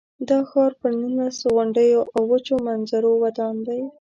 دا ښار پر نولس غونډیو او وچو منظرو ودان دی.